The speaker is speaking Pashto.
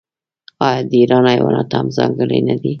آیا د ایران حیوانات هم ځانګړي نه دي؟